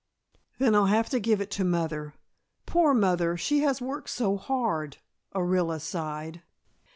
"Then I'll have to give it to mother. Poor mother, she has worked so hard," Orilla sighed.